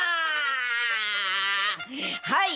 はい。